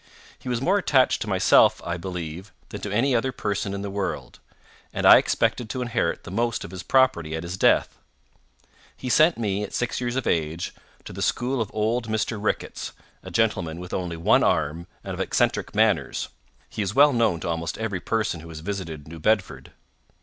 He was more attached to myself, I believe, than to any other person in the world, and I expected to inherit the most of his property at his death. He sent me, at six years of age, to the school of old Mr. Ricketts, a gentleman with only one arm and of eccentric manners—he is well known to almost every person who has visited New Bedford.